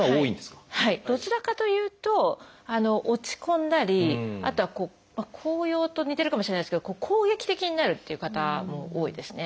どちらかというと落ち込んだりあとは高揚と似てるかもしれないですけど攻撃的になるっていう方多いですね。